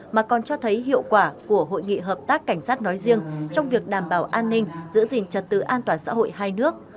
mà còn cho thấy hiệu quả của hội nghị hợp tác cảnh sát nói riêng trong việc đảm bảo an ninh giữ gìn trật tự an toàn xã hội hai nước